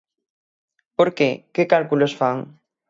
¿Por que?, ¿que cálculos fan?